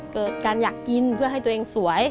เกิดการอยากกินเพื่อให้ตัวเองสวย